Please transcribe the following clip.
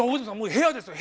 部屋ですよ